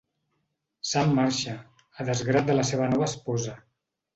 Sam marxa, a desgrat de la seva nova esposa.